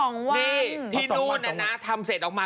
นี่ที่นู่นน่ะนะทำเสร็จออกมา